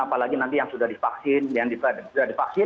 apalagi nanti yang sudah divaksin yang sudah divaksin